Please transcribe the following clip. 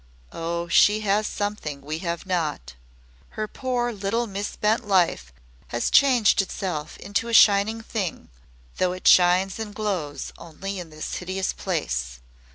Oh, she has something we have not. Her poor, little misspent life has changed itself into a shining thing, though it shines and glows only in this hideous place.